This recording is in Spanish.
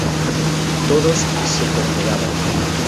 Todos se congregaban.